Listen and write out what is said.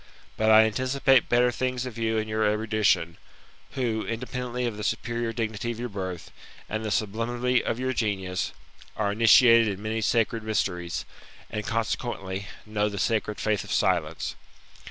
But I anticipate better things of you and your erudition, who, independently of the superior dignity of your birth, and the sublimity of your genius, are initiated in many sacred mysteries, and, consequently, know the sacred faith of silence.